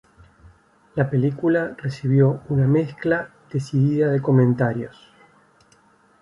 La película recibió una mezcla decidida de comentarios.